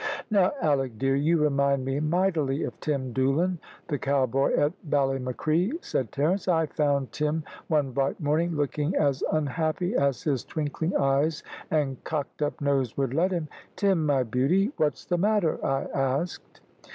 "Now, Alick dear, you remind me mightily of Tim Doolan, the cowboy at Ballymacree," said Terence. "I found Tim, one bright morning, looking as unhappy as his twinkling eyes and cocked up nose would let him. `Tim, my beauty what's the matter?' I asked.